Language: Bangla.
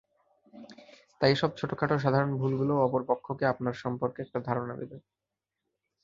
তাই এসব ছোটখাটো সাধারণ ভুলগুলোও অপর পক্ষকে আপনার সম্পর্কে একটা ধারণা দেবে।